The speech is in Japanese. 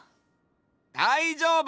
だいじょうぶ！